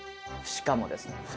しかもですね